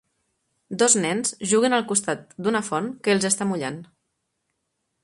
Dos nens juguen al costat d'una font que els està mullant.